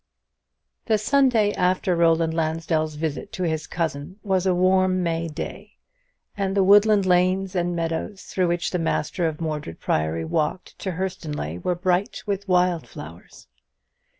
The Sunday after Roland Lansdell's visit to his cousin was a warm May day, and the woodland lanes and meadows through which the master of Mordred Priory walked to Hurstonleigh were bright with wild flowers.